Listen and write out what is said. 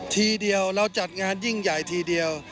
ทีเดียวเราจัดงานยิ่งใหญ่ทีเดียว